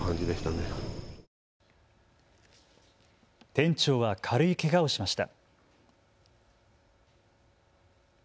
店長は軽いけがをしました。